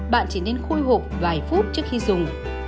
bạn chỉ nên khôi hộp vài phút trước khi dùng